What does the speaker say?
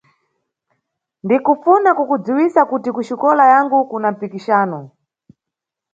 Ndikufuna kukudziwisa kuti kuxikola yangu kuna mpikisano.